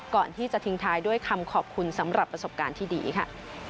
ก่อนที่จะทิ้งท้ายด้วยคำขอบคุณสำหรับประสบการณ์ที่ดีค่ะ